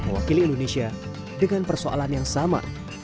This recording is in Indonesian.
mewakili indonesia dengan persoalan yang sama